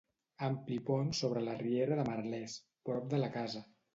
Ampli pont sobre la Riera de Merlès, prop de la casa.